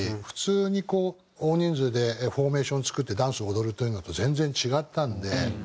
普通にこう大人数でフォーメーション作ってダンスを踊るというのと全然違ったんで。